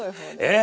え？